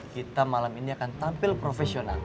kita malam ini akan tampil profesional